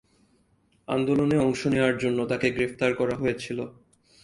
আন্দোলনে অংশ নেওয়ার জন্য তাকে গ্রেফতার করা হয়েছিল।